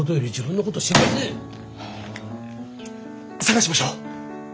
捜しましょう。